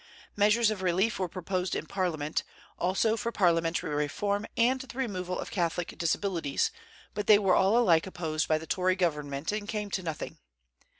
Measures of relief were proposed in Parliament, also for parliamentary reform and the removal of Catholic disabilities; but they were all alike opposed by the Tory government, and came to nothing.